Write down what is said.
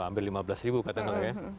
hampir lima belas ribu katakanlah ya